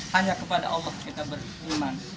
hanya kepada allah kita beriman